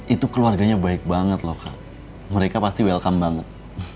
itu keluarganya baik banget lokal mereka pasti welcome banget